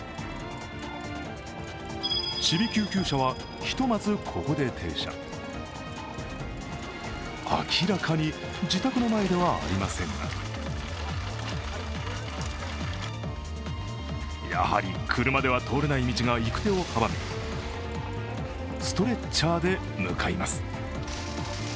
ちび救急車は、ひとまずここで停車明らかに自宅の前ではありませんがやはり車では通れない道が行く手を阻み、ストレッチャーで向かいます。